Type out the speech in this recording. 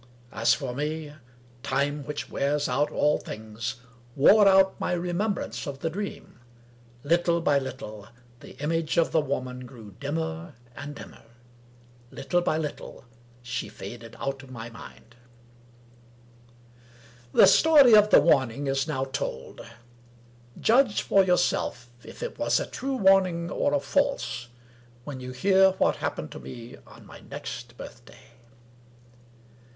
As for me, time, which wears out all things, wore out my remembrance of the Dream. Little by little, the image of the Woman grew dimmer and dimmer. Little by little, she faded out of my mind. VII The story of the warning is now told. Judge for your self if it was a true warning or a false, when you hear what happened to me on my next birthday.